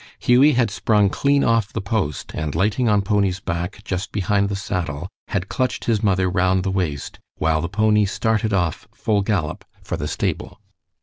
Hughie had sprung clean off the post, and lighting on Pony's back just behind the saddle, had clutched his mother round the waist, while the pony started off full gallop for the stable.